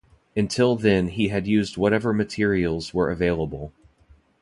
Until then he had used whatever materials were available.